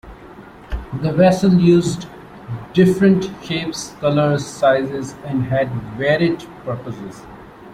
The vessels used different shapes, colors, sizes, and had varied purposes.